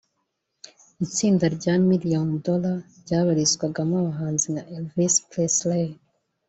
Itsinda rya Million Dollar ryabarizwagamo abahanzi nka Elvis Presley